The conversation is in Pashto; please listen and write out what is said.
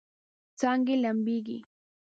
څانګې لمبیږي